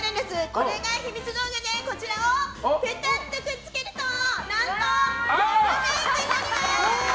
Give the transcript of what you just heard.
これが秘密道具でこちらをぺたっとくっつけると何と、ギャルメイクになります。